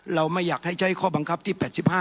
เราไม่อยากให้ใช้ข้อบังคับที่๘๕